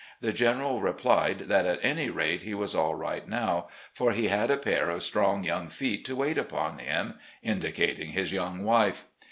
The General replied that at any rate he was all right now, for he had a pair of strong young feet to wait upon him, indicating his young wife.